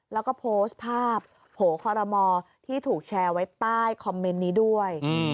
แล้วก็โพสต์ภาพโผล่คอรมอที่ถูกแชร์ไว้ใต้คอมเมนต์นี้ด้วย